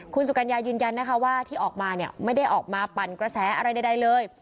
คุณสุกัญญายืนยันนะคะว่าที่ออกมาเนี่ยไม่ได้ออกมาปั่นกระแสอะไรใดเลย